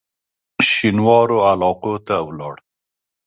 شینوارو علاقو ته ولاړ.